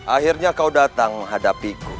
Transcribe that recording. akhirnya kau datang menghadapiku